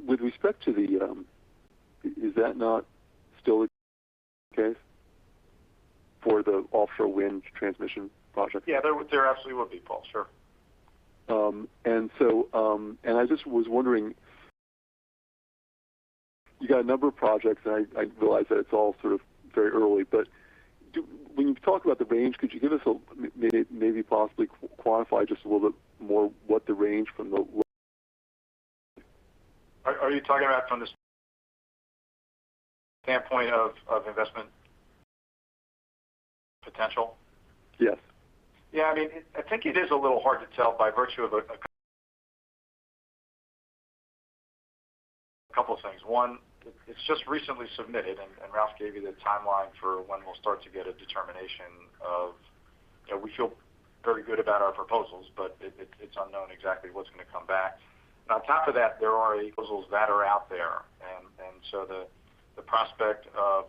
With respect to the, is that not still a case for the offshore wind transmission project? Yeah. There absolutely would be, Paul. Sure. I just was wondering, you got a number of projects, and I realize that it's all sort of very early. When you talk about the range, could you give us a maybe possibly quantify just a little bit more what the range from the Are you talking about from the standpoint of investment potential? Yes. Yeah. I mean, I think it is a little hard to tell by virtue of a couple of things. One, it's just recently submitted, and Ralph gave you the timeline for when we'll start to get a determination. You know, we feel very good about our proposals, but it's unknown exactly what's going to come back. On top of that, there are proposals that are out there. The prospect of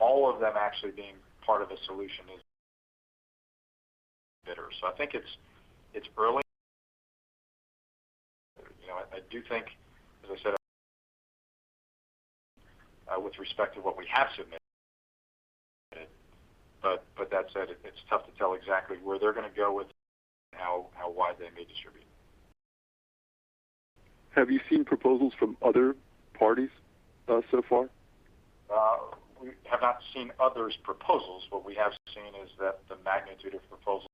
all of them actually being part of a solution is better. I think it's early. You know, I do think, as I said, with respect to what we have submitted. That said, it's tough to tell exactly where they're going to go with how wide they may distribute. Have you seen proposals from other parties, so far? We have not seen others' proposals. What we have seen is that the magnitude of proposals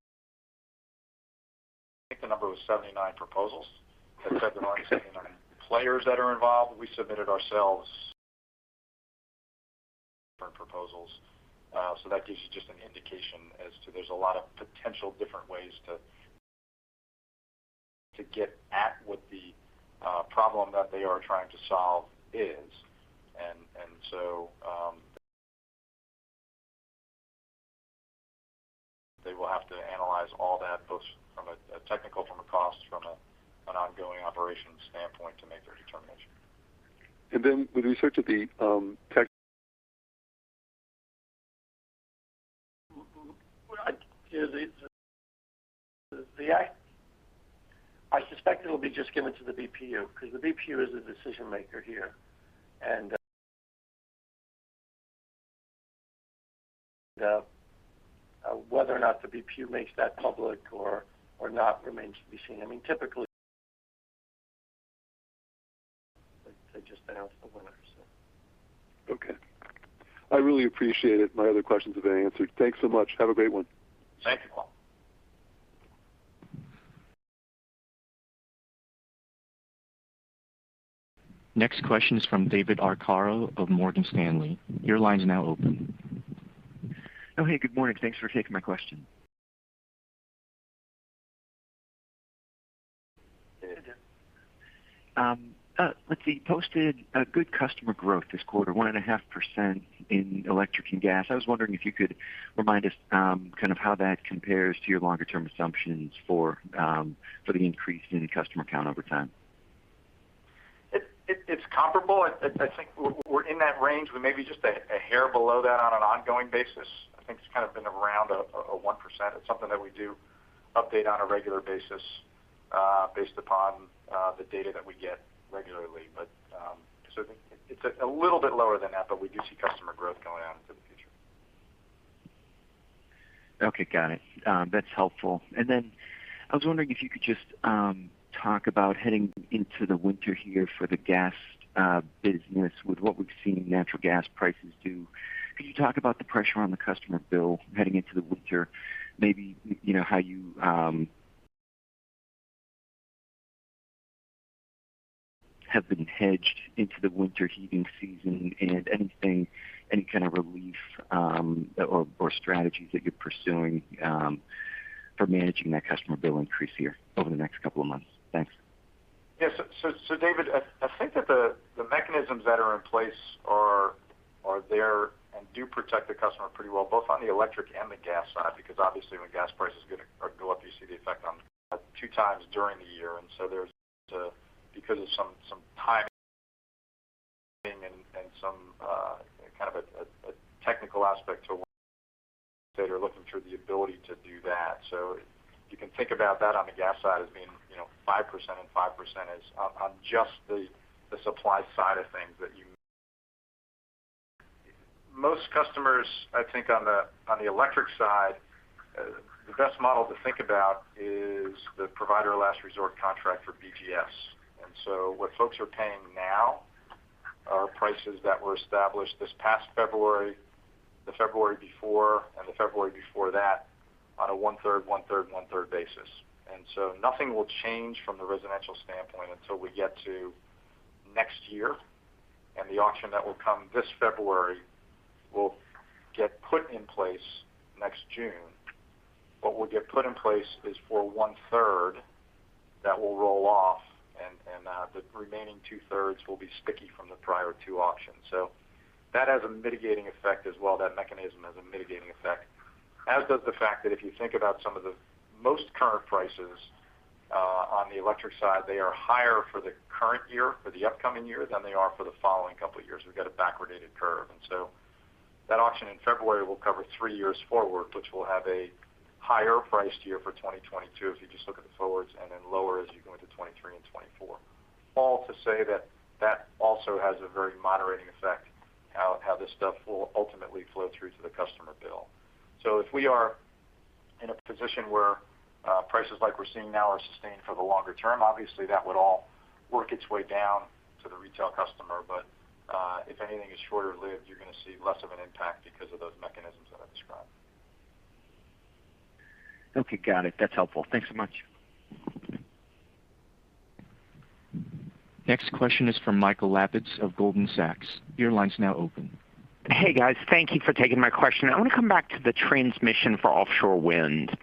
I think the number was 79 proposals. That said, there aren't 79 players that are involved. We submitted ourselves different proposals. So that gives you just an indication as to there's a lot of potential different ways to get at what the problem that they are trying to solve is. They will have to analyze all that, both from a technical, from a cost, from an ongoing operations standpoint to make their determination. With respect to the tech. The act, I suspect it'll be just given to the BPU because the BPU is the decision maker here. Whether or not the BPU makes that public or not remains to be seen. I mean, typically, they just announce the winner. Okay. I really appreciate it. My other questions have been answered. Thanks so much. Have a great one. Thank you, Paul. Next question is from David Arcaro of Morgan Stanley. Your line is now open. Oh, hey. Good morning. Thanks for taking my question. Hey, David. Let's see. You posted a good customer growth this quarter, 1.5% in electric and gas. I was wondering if you could remind us, kind of how that compares to your longer term assumptions for the increase in customer count over time. It's comparable. I think we're in that range. We may be just a hair below that on an ongoing basis. I think it's kind of been around a 1%. It's something that we do update on a regular basis based upon the data that we get regularly. It's a little bit lower than that, but we do see customer growth going on into the future. Okay. Got it. That's helpful. I was wondering if you could just talk about heading into the winter here for the gas business with what we've seen natural gas prices do. Could you talk about the pressure on the customer bill heading into the winter? Maybe you know how you have been hedged into the winter heating season and anything, any kind of relief or strategies that you're pursuing for managing that customer bill increase here over the next couple of months? Thanks. Yes. David, I think that the mechanisms that are in place are there and do protect the customer pretty well, both on the electric and the gas side, because obviously when gas prices get or go up, you see the effect on two times during the year. There's because of some timing and some kind of a technical aspect to that are looking for the ability to do that. You can think about that on the gas side as being 5%, and 5% is on just the supply side of things. Most customers, I think on the electric side, the best model to think about is the provider last resort contract for BGS. What folks are paying now are prices that were established this past February, the February before and the February before that on a one-third, one-third, one-third basis. Nothing will change from the residential standpoint until we get to next year. The auction that will come this February will get put in place next June. What will get put in place is for one-third. That will roll off and the remaining two-thirds will be sticky from the prior two auctions. That has a mitigating effect as well. That mechanism has a mitigating effect, as does the fact that if you think about some of the most current prices, on the electric side, they are higher for the current year, for the upcoming year than they are for the following couple of years. We've got a backwardated curve. That auction in February will cover three years forward, which will have a higher priced year for 2022 if you just look at the forwards and then lower as you go into 2023 and 2024. All to say that that also has a very moderating effect on how this stuff will ultimately flow through to the customer bill. If we are in a position where prices like we're seeing now are sustained for the longer term, obviously that would all work its way down to the retail customer. If anything is shorter lived, you're going to see less of an impact because of those mechanisms that I described. Okay. Got it. That's helpful. Thanks so much. Next question is from Michael Lapides of Goldman Sachs. Your line's now open. Hey, guys. Thank you for taking my question. I want to come back to the transmission for offshore wind.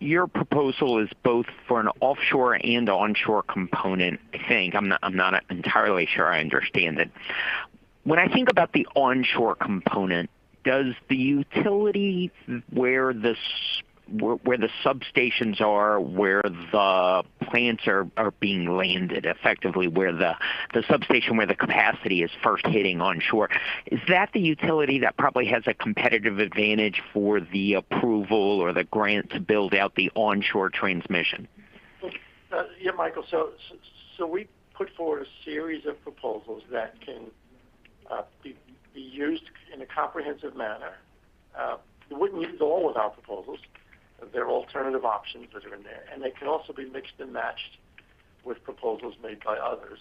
Your proposal is both for an offshore and onshore component, I think. I'm not entirely sure I understand it. When I think about the onshore component, does the utility where the substations are, where the plants are being landed effectively, where the substation where the capacity is first hitting onshore, is that the utility that probably has a competitive advantage for the approval or the grant to build out the onshore transmission? Yeah, Michael. We put forward a series of proposals that can be used in a comprehensive manner. You wouldn't use all of our proposals. There are alternative options that are in there, and they can also be mixed and matched with proposals made by others.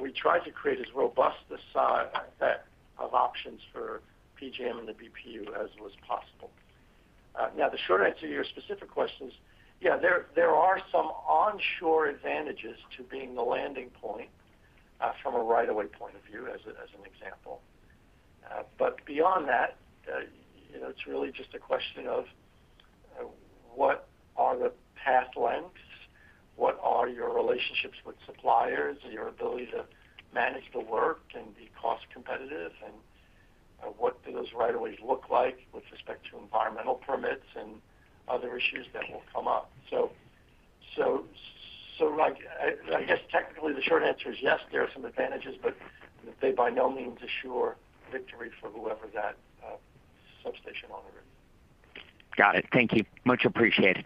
We tried to create as robust a set of options for PJM and the BPU as was possible. Now the short answer to your specific question is, yeah, there are some onshore advantages to being the landing point from a right-of-way point of view as an example. beyond that, you know, it's really just a question of, what are the path lengths, what are your relationships with suppliers, your ability to manage the work and be cost competitive, and, what do those right-of-ways look like with respect to environmental permits and other issues that will come up. Like, I guess technically the short answer is yes, there are some advantages, but they by no means assure victory for whoever that, substation operator is. Got it. Thank you. Much appreciated.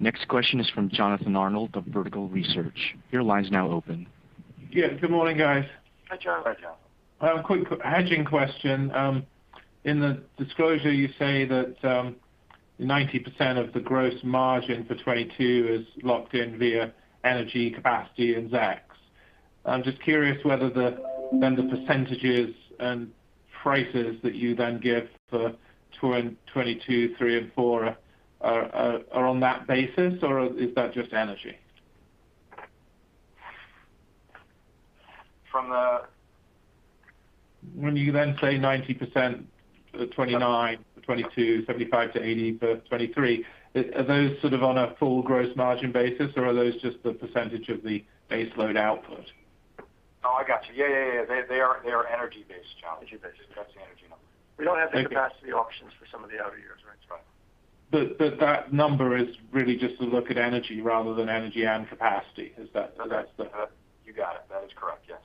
Next question is from Jonathan Arnold of Vertical Research Partners. Your line is now open. Yeah. Good morning, guys. Hi, John. I have a quick hedging question. In the disclosure you say that 90% of the gross margin for 2022 is locked in via energy capacity and ZECs. I'm just curious whether the percentages and prices that you then give for 2022, 2023, and 2024 are on that basis or is that just energy? From the, when you then say 90% for the 2029, 2022, 75%-80% for 2023, are those sort of on a full gross margin basis, or are those just the percentage of the base load output? Oh, I got you. Yeah, yeah. They are energy-based challenges. Energy based. That's the energy number. We don't have the capacity options for some of the outer years, right. That number is really just to look at energy rather than energy and capacity. Is that. You got it. That is correct, yes.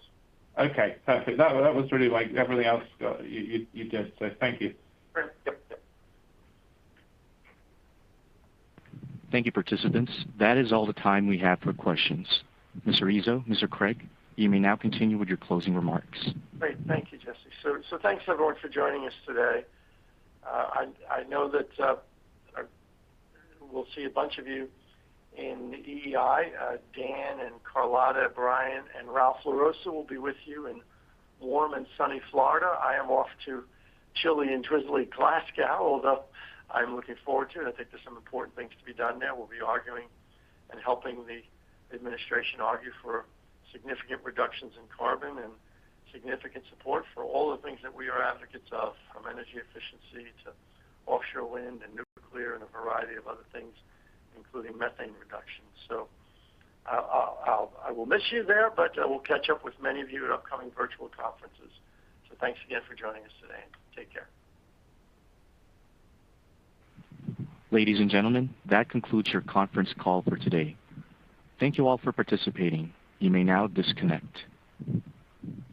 Okay, perfect. That was really like everything else you did, so thank you. Sure. Yep. Yep. Thank you, participants. That is all the time we have for questions. Mr. Izzo, Mr. Cregg, you may now continue with your closing remarks. Great. Thank you, Jesse. Thanks everyone for joining us today. I know that we'll see a bunch of you in the EEI. Dan and Carlota, Brian and Ralph LaRossa will be with you in warm and sunny Florida. I am off to chilly and drizzly Glasgow, although I'm looking forward to, and I think there's some important things to be done there. We'll be arguing and helping the administration argue for significant reductions in carbon and significant support for all the things that we are advocates of, from energy efficiency to offshore wind and nuclear and a variety of other things, including methane reduction. I will miss you there, but I will catch up with many of you at upcoming virtual conferences. Thanks again for joining us today, and take care. Ladies and gentlemen, that concludes your conference call for today. Thank you all for participating. You may now disconnect.